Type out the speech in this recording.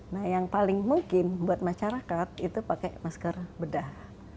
nah yang paling mungkin buat masyarakat itu pakai masker bedah